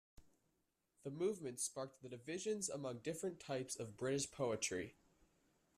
The Movement sparked the divisions among different types of British poetry.